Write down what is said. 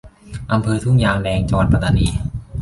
อำเภอทุ่งยางแดง จังหวัดปัตตานี